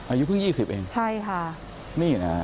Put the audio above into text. อายุเพิ่ง๒๐เองใช่ค่ะนี่นะฮะ